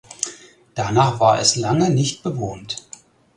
Danach war es lange nicht bewohnt.